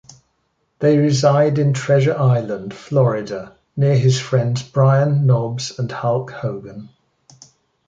They reside in Treasure Island, Florida near his friends Brian Knobbs and Hulk Hogan.